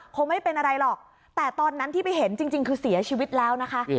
คงไม่เป็นอะไรหรอกแต่ตอนนั้นที่ไปเห็นจริงคือเสียชีวิตแล้วนะคะ